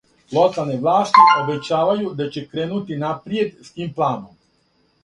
Локалне власти обећавају да ће кренути напријед с тим планом.